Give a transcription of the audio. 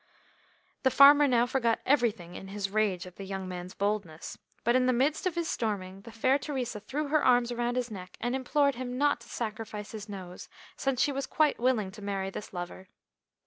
The farmer now forgot everything in his rage at the young man's boldness, but in the midst of his storming the fair Theresa threw her arms around his neck and implored him not to sacrifice his nose, since she was quite willing to marry this lover.